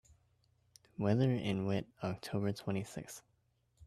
Weather in Witt october twenty-sixth